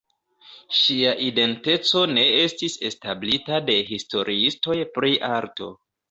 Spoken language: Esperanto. Ŝia identeco ne estis establita de historiistoj pri arto.